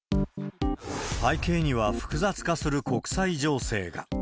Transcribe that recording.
背景には、複雑化する国際情勢が。